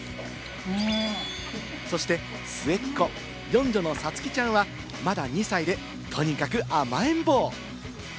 そして末っ子、四女のさつきちゃんはまだ２歳で、とにかく甘えん坊。